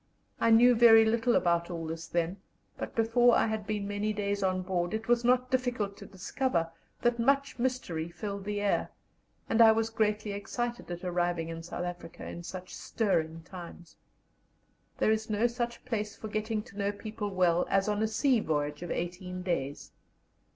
I knew very little about all this then, but before I had been many days on board it was not difficult to discover that much mystery filled the air, and I was greatly excited at arriving in South Africa in such stirring times. There is no such place for getting to know people well as on a sea voyage of eighteen days.